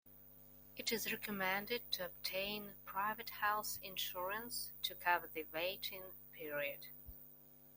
It is recommended to obtain private health insurance to cover the waiting period.